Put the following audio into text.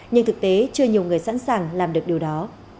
nhưng thực tế chưa nhiều người sẵn sàng làm được điều đó